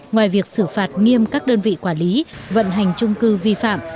ngoài việc xử phạt nghiêm các đơn vị quản lý vận hành trung cư vi phạm